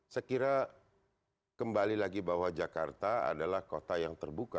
sekira kembali lagi bahwa jakarta adalah kota yang terbuka